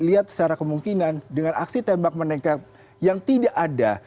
lihat secara kemungkinan dengan aksi tembak menengkap yang tidak ada